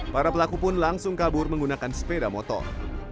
para pelaku pun langsung kabur menggunakan sepeda motor